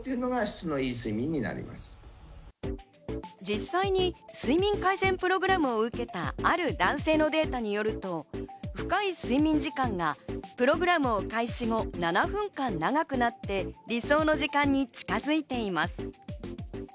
実際に睡眠改善プログラムを受けたある男性のデータによると、深い睡眠時間が、プログラム開始後、７分間長くなって理想の時間に近づいています。